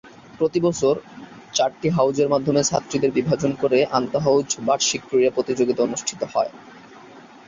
প্রতি বছর চারটি হাউজের মাধ্যমে ছাত্রীদের বিভাজন করে আন্তঃহাউজ বার্ষিক ক্রীড়া প্রতিযোগিতা অনুষ্ঠিত হয়।